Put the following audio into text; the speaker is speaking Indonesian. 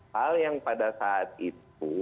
hal yang pada saat itu